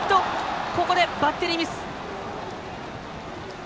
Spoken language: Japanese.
ここで、バッテリーミス。